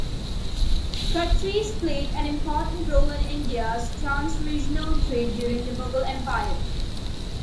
Khatris played an important role in India's trans regional trade during the Mughal Empire.